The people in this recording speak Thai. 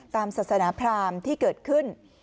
ตามศาสนภาร์มที่เกิดขึ้น